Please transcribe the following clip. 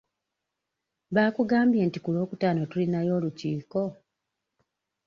Baakugambye nti ku lwokutaano tulinayo olukiiko?